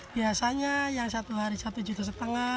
biasanya yang satu hari satu lima juta